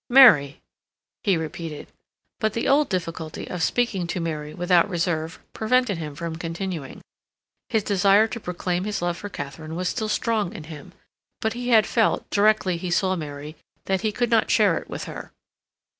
"Mary," he repeated. But the old difficulty of speaking to Mary without reserve prevented him from continuing. His desire to proclaim his love for Katharine was still strong in him, but he had felt, directly he saw Mary, that he could not share it with her.